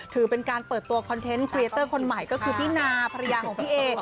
ถือเป็นการเปิดตัวคอนเทนต์ครีเตอร์คนใหม่ก็คือพี่นาภรรยาของพี่เอ